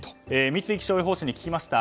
三井気象予報士に聞きました。